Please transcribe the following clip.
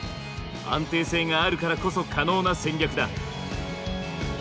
安定性があるからこそ可能な戦略だ。